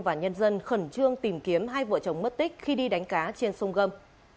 và nhân dân khẩn trương tìm kiếm hai vợ chồng mất tích khi đi đánh cá trên sông gâm